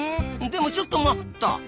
でもちょっと待った！